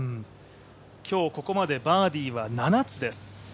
今日ここまでバーディーは７つです。